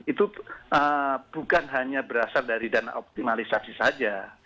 itu bukan hanya berasal dari dana optimalisasi saja